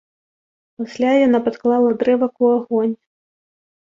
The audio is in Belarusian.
Пасля яна падклала дрэвак у агонь.